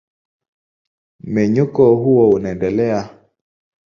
Mmenyuko huo unaendelea.